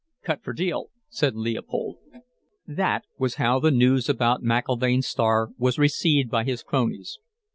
"Cut for deal," said Leopold. That was how the news about McIlvaine's Star was received by his cronies.